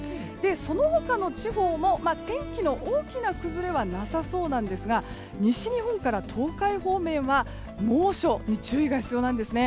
その他の地方も天気の大きな崩れはなさそうなんですが西日本から東海方面は猛暑に注意が必要なんです。